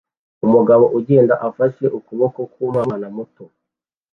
Umugabo ugenda afashe ukuboko k'umwana muto